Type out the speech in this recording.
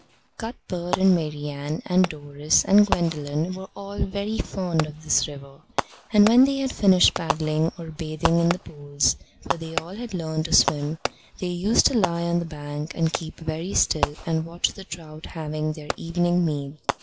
Cuthbert and Marian and Doris and Gwendolen were all very fond of this river, and when they had finished paddling or bathing in the pools (for they had all learnt to swim) they used to lie on the bank and keep very still and watch the trout having their evening meal.